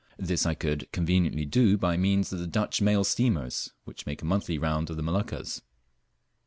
This I could conveniently do by means of the Dutch mail steamers, which make a monthly round of the Moluccas.